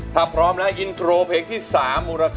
ถ้าพร้อมนะอินโทรเพลงที่๓มูลค่า๔๐๐๐๐บาท